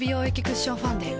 クッションファンデ